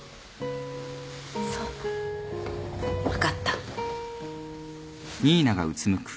そう分かった